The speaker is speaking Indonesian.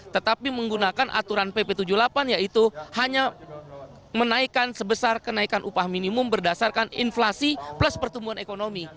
tetapi menggunakan aturan pp tujuh puluh delapan yaitu hanya menaikkan sebesar kenaikan upah minimum berdasarkan inflasi plus pertumbuhan ekonomi